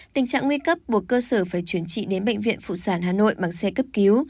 tình trạng nguy cấp buộc cơ sở phải chuyển trị đến bệnh viện phụ sản hà nội bằng xe cấp cứu